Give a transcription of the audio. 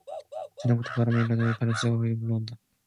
이 저녁부터는 바람까지 일었는지 바람소리가 휙 몰려갔다가 몰려온다.